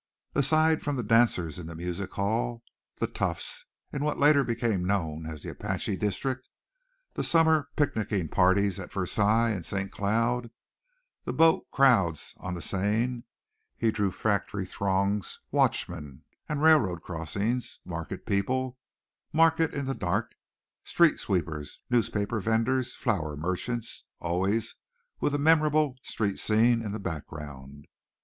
Aside from the dancers in the music halls, the toughs, in what later became known as the Apache district, the summer picnicking parties at Versailles and St. Cloud, the boat crowds on the Seine, he drew factory throngs, watchmen and railroad crossings, market people, market in the dark, street sweepers, newspaper vendors, flower merchants, always with a memorable street scene in the background.